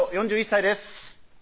４１歳です